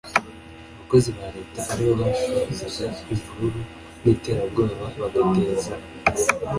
abakozi ba Leta ari bo bashozaga imvururu n iterabwoba bagateza